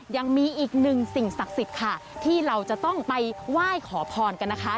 ยังมีอีกหนึ่งสิ่งศักดิ์สิทธิ์ค่ะที่เราจะต้องไปไหว้ขอพรกันนะคะ